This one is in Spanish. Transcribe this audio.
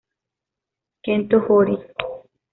Kento Hori